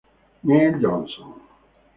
Neil Johnson